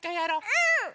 うん！